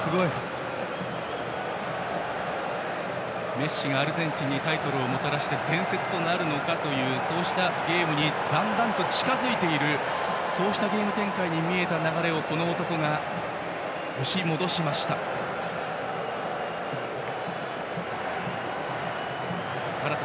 メッシがアルゼンチンにタイトルをもたらして伝説となるのかというそうしたゲームにだんだん近づいているそうしたゲーム展開に見えた流れをこの男が押し戻しました。